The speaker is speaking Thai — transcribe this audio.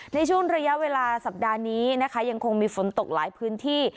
ในช่วงระยะเวลาสัปดาห์นี้นะคะยังคงมีฝนตกหลายพื้นที่